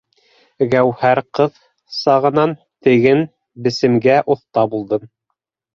Гәүһәр ҡыҙ сағынан теген-бесемгә оҫта булды.